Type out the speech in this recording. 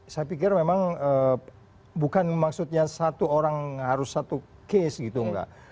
saya pikir memang bukan maksudnya satu orang harus satu case gitu mbak